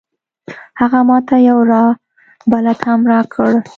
هغه ما ته یو راه بلد هم راکړ.